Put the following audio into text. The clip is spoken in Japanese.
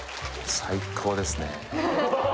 最高ですね